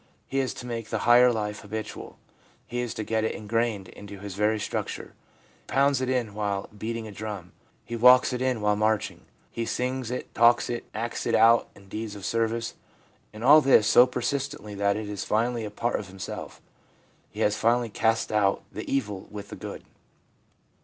He is to make the higher life habitual. He is to get it ingrained into his very structure. He pounds it in while beating a drum ; he walks it in while marching; he sings it, talks it, acts it out in deeds of service ; and all this so persistently that it is finally a part of himself. He has finally cast out the evil with the good.